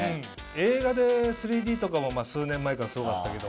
映画で３Ｄとかも数年前からすごかったけども。